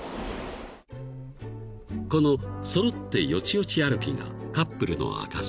［この揃ってよちよち歩きがカップルの証し］